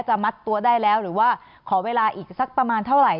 มัดตัวได้แล้วหรือว่าขอเวลาอีกสักประมาณเท่าไหร่